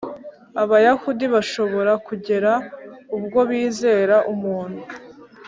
Abayahudi bashobora kugera ubwo bizera umuntu